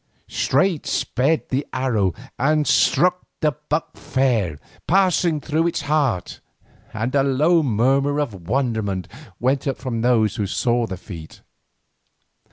Straight sped the arrow and struck the buck fair, passing through its heart, and a low murmur of wonderment went up from those who saw the feat.